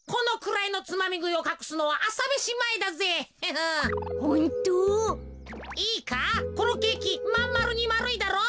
いいかこのケーキまんまるにまるいだろう。